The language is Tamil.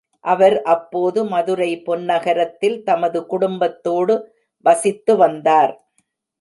அவர் அப்போது மதுரை பொன்னகரத்தில் தமது குடும்பத்தோடு வசித்து வந்தார்.